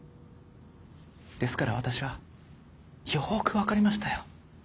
ですから私はよく分かりましたよ。